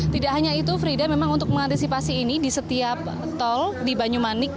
tidak hanya itu frida memang untuk mengantisipasi ini di setiap tol di banyumanik